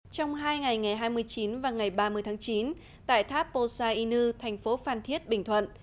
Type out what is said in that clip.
trong hai ngày ngày hai mươi chín và ngày ba mươi tháng chín tại tháp posa inu thành phố phan thiết bình thuận